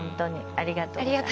ありがとうございます。